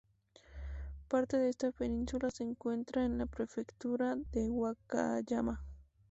Parte de esta península se encuentra en la prefectura de Wakayama.